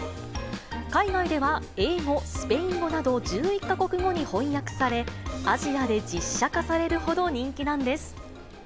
海外では英語、スペイン語など１１か国語に翻訳され、アジアで実写化されるほど人気なんです。